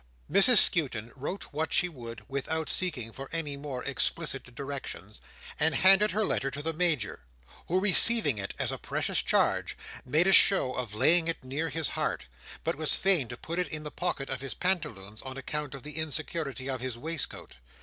Mrs Skewton wrote what she would, without seeking for any more explicit directions, and handed her letter to the Major, who receiving it as a precious charge, made a show of laying it near his heart, but was fain to put it in the pocket of his pantaloons on account of the insecurity of his waistcoat.